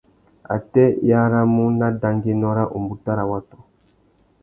Atê i aramú nà dangüiénô râ umbuta râ watu?